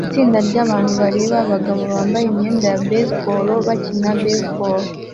Itsinda ryabantu bareba abagabo bambaye imyenda ya baseball bakina baseball